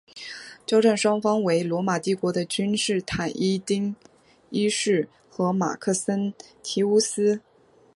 交战双方为罗马帝国的君士坦丁一世和马克森提乌斯。